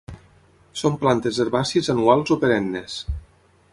Són plantes herbàcies anuals o perennes.